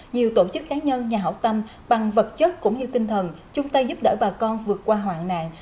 nhiều tổ chức cá nhân nhà hảo tâm bằng vật chất cũng như tinh thần chung tay giúp đỡ bà con vượt qua hoạn nạn